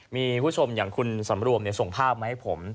มีผู้ชมอย่างคุณสำรวมส่งภาพมาให้ผม